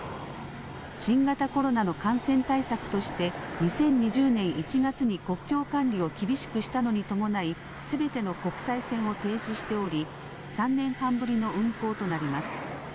新型コロナの感染対策として、２０２０年１月に国境管理を厳しくしたのに伴い、すべての国際線を停止しており、３年半ぶりの運航となります。